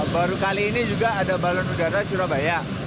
baru kali ini juga ada balon udara surabaya